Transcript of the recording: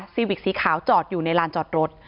วิกสีขาวจอดอยู่ในลานจอดรถ